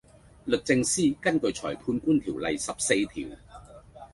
律政司長根據裁判官條例十四條